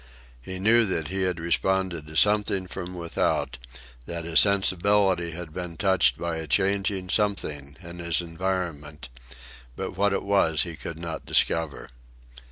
He knew that he had responded to something from without, that his sensibility had been touched by a changing something in his environment; but what it was he could not discover.